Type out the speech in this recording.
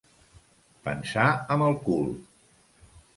Pensar amb el cul.